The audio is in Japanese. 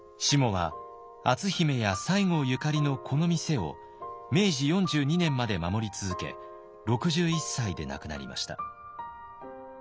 しもは篤姫や西郷ゆかりのこの店を明治４２年まで守り続け６１歳で亡くなりました。